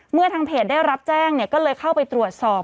ทางเพจได้รับแจ้งก็เลยเข้าไปตรวจสอบ